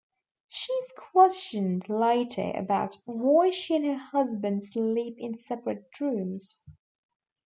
She is questioned later about why she and her husband sleep in separate rooms.